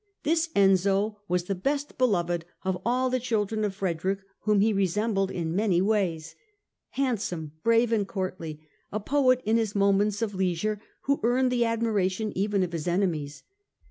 This Enzio was the best beloved of all the children of Frederick, whom he resembled in many ways. Hand some, brave and courtly, a poet in his moments of leisure, he earned the admiration even of his enemies.